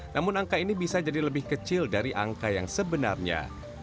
namun angka ini bisa jadi lebih kecil dari angka yang sebenarnya